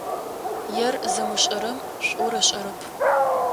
Ер зымышӏэрэм шӏур ышӏэрэп.